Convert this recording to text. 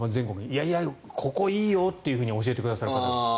いやいや、ここいいよと教えてくださる方が。